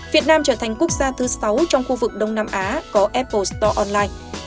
việt nam trở thành quốc gia thứ sáu trong khu vực đông nam á có apple store online